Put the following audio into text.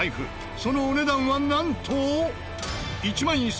そのお値段はなんと。